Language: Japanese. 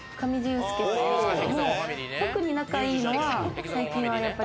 特に仲いいのは最近はやっぱり。